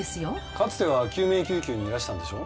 かつては救命救急にいらしたんでしょう？